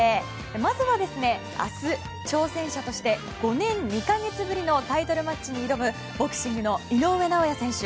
まずは、明日挑戦者として５年２か月ぶりのタイトルマッチに挑むボクシングの井上尚弥選手。